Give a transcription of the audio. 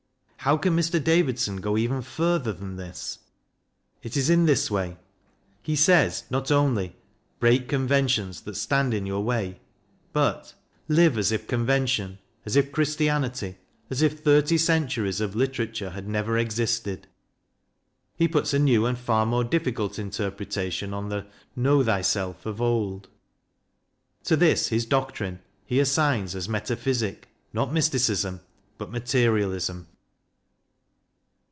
How can Mr. Davidson go even further than this? It is in this way. He says not only "Break conventions that stand in your way," but " live as if convention, as if Christianity, as if thirty centuries of literature had never existed." He puts a new and far more difficult interpretation on the "Know thyself" of old. To this his doctrine, he assigns as metaphysic not mysticism, but materialism.